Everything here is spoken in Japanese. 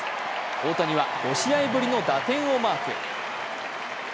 大谷は５試合ぶりの打点をマーク。